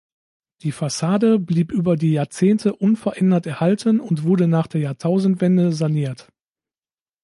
Die Fassade blieb über die Jahrzehnte unverändert erhalten und wurde nach der Jahrtausendwende saniert.